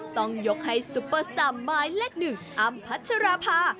ต้องยกให้ซุปเปอร์สตาม้ายเล็กหนึ่งอัมพัชราภา